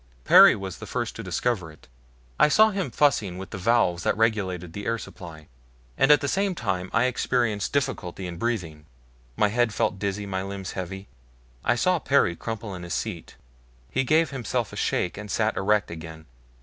Perry was the first to discover it. I saw him fussing with the valves that regulate the air supply. And at the same time I experienced difficulty in breathing. My head felt dizzy my limbs heavy. I saw Perry crumple in his seat. He gave himself a shake and sat erect again.